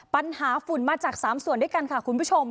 ฝุ่นมาจาก๓ส่วนด้วยกันค่ะคุณผู้ชม